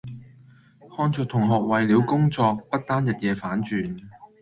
看著同學為了工作不單日夜反轉